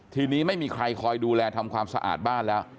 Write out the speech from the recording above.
ทีนี้ไม่มีใครคอยดูแลทำความสะอาดบ้านแล้ว